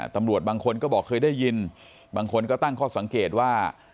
ตำรวจบางคนก็บอกเคยได้ยินบางคนก็ตั้งข้อสังเกตว่า